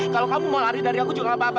kalau kamu mau lari dari aku juga gak apa apa